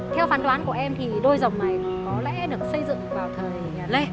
theo phán đoán của em thì đôi rồng này có lẽ được xây dựng vào thời nhà lê